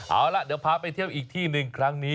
เอาล่ะเดี๋ยวพาไปเที่ยวอีกที่หนึ่งครั้งนี้